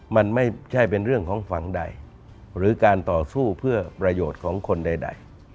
มันไม่ใช่เป็นเรื่องของฝั่งใดหรือการต่อสู้เพื่อประโยชน์ของคนใด